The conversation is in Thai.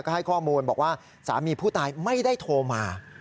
ก็ให้ข้อมูลบอกว่าสามีผู้ตายไม่ได้โทรมา